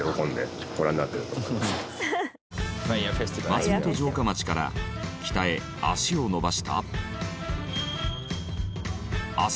松本城下町から北へ足を延ばした。